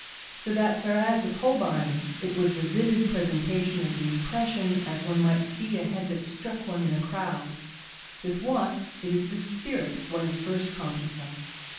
So that whereas with Holbein it was the vivid presentation of the impression as one might see a head that struck one in a crowd, with Watts it is the spirit one is first conscious of.